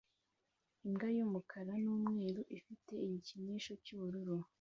Imbwa y'umukara n'umweru ifite igikinisho cy'ubururu